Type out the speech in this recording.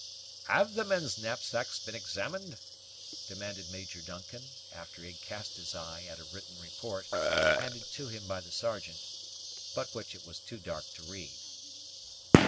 "Have the men's knapsacks been examined?" demanded Major Duncan, after he had cast his eye at a written report, handed to him by the Sergeant, but which it was too dark to read.